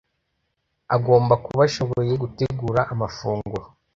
agomba kuba ashoboye gutegura amafunguro